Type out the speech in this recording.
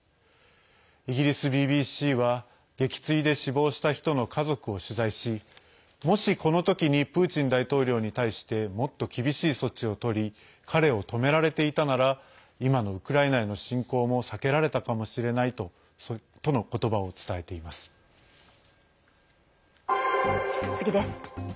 イギリスＢＢＣは撃墜で死亡した人の家族を取材しもし、この時にプーチン大統領に対してもっと厳しい措置をとり彼を止められていたなら今のウクライナへの侵攻も避けられたかもしれないとの次です。